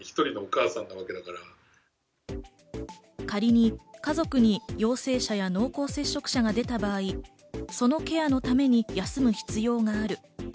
仮に家族に陽性者や濃厚接触者が出た場合、そのケアのために休む必要がある。